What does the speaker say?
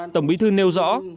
tổng bí thư nêu rõ